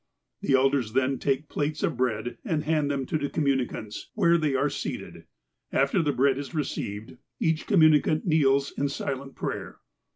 The elders then take plates of bread, and hand them to the communicants where they are seated. After the bread is received, each communicant kneels in silent prayer.